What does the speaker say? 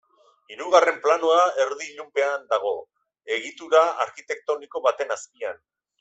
Hirugarren planoa erdi ilunpean dago, egitura arkitektoniko baten azpian.